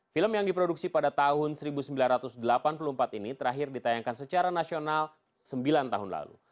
film yang diproduksi pada tahun seribu sembilan ratus delapan puluh empat ini terakhir ditayangkan secara nasional sembilan tahun lalu